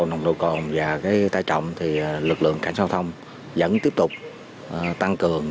nồng độ cồn và tải trọng thì lực lượng cảnh giao thông vẫn tiếp tục tăng cường